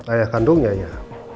ayah kandungnya ya